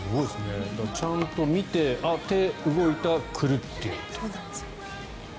ちゃんと見てあ、手動いたくるっていう。